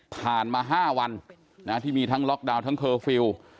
ผ่านมา๕วันที่มีทั้งล็อกดาวน์ทั้งเคอร์ฟิลล์